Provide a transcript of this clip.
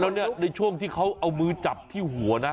แล้วเนี่ยในช่วงที่เขาเอามือจับที่หัวนะ